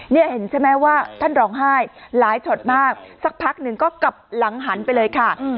นี่เห็นใช่ไหมว่าท่านร้องไห้หลายช็อตมากสักพักหนึ่งก็กลับหลังหันไปเลยค่ะ